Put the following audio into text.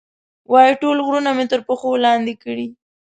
وایي، ټول غرونه مې تر پښو لاندې کړي.